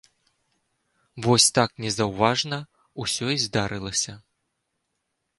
Вось так незаўважна усё і здарылася.